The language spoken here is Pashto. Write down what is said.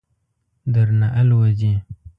درنه آلوځي.